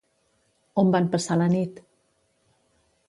On van passar la nit?